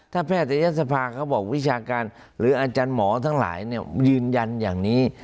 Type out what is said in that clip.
ถ้าแพทยศภาเขาบอกวิชาการหรืออาจารย์หมอทั้งหลายยืนยันอย่างนี้